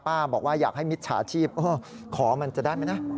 บอกว่าอยากให้มิจฉาชีพขอมันจะได้ไหมนะ